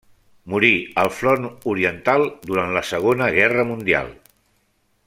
Morí al Front Oriental durant la Segona Guerra Mundial.